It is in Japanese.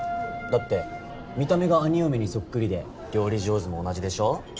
って見た目が兄嫁にソックリで料理上手も同じでしょ？